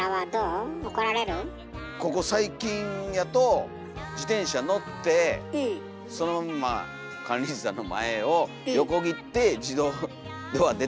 ここ最近やと自転車乗ってそのまま管理人さんの前を横切って自動ドア出ていったんです。